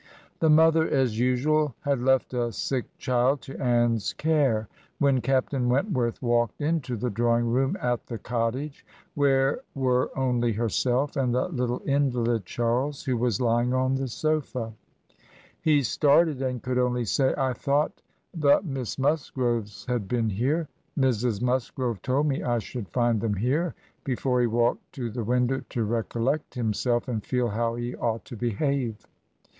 The mother, as usual, had left a sick child to Anne's care, when " Captain Wentworth walked into the draw ing room at the Cottage, where were only herself and the little invalid Charles, who was lying on the sofa. ... He started, and could only say, 'I thought the Miss Musgroves had been here; Mrs. Musgrove told me I should find them here,' before he walked to the window to recollect himself, and feel how he ought to behave.